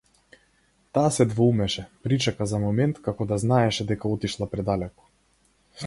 Таа се двоумеше, причека за момент, како да знаеше дека отишла предалеку.